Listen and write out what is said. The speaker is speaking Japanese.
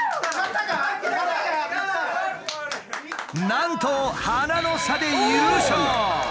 なんと鼻の差で優勝！